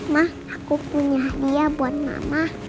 mak aku punya hadiah buat mama